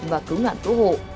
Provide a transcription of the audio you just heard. và cứu nạn tổ hộ